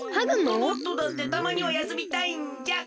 ロボットだってたまにはやすみたいんじゃ！